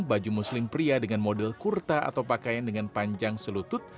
baju muslim pria dengan model kurta atau pakaian dengan panjang selutut